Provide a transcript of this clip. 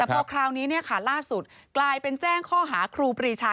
กลับคราวนี้เนี่ยถ้าล่าสุดกลายเป็นแจ้งค้อหาครูปรีชา